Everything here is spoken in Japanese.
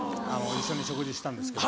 一緒に食事したんですけど。